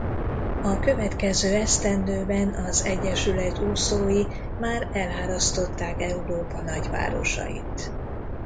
A következő esztendőben az egyesület úszói már elárasztották Európa nagyvárosait.